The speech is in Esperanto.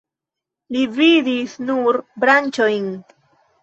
Li vidis nur branĉojn.